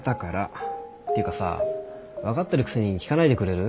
っていうかさ分かってるくせに聞かないでくれる？